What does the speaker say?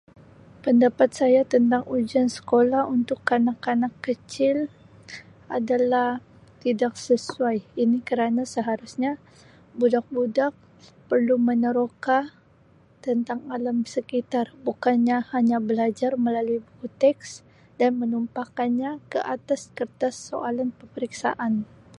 Pendapat saya tentang ujian sekolah untuk kanak-kanak kecil adalah tidak sesuai ini kerana seharusnya budak-budak perlu meneroka tentang alam sekitar bukanya hanya belajar melalui buku teks dan menumpahkanya ke atas kertas soalan peperiksaan.